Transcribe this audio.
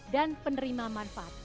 dan penerima manfaat